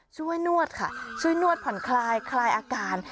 นวดค่ะช่วยนวดผ่อนคลายคลายอาการ